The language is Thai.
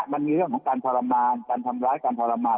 มันมีเรื่องของการทรมานการทำร้ายการทรมาน